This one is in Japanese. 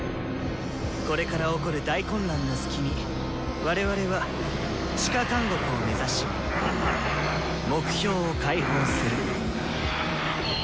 これから起こる大混乱の隙に我々は地下監獄を目指し目標を解放する。